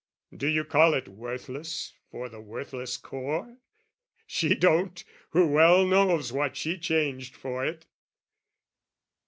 Do you call it worthless for the worthless core? (She don't, who well knows what she changed for it!)